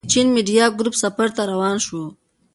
د چين ميډيا ګروپ سفر ته روان شوو.